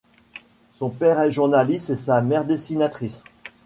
Son père est journaliste et sa mère dessinatrice.